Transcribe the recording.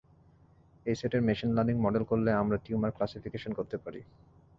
এই সেটের machine learning model করলে আমরা টিউমার ক্লাসিফিকেশন করতে পারি।